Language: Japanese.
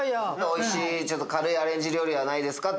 おいしいちょっと軽いアレンジ料理はないですか？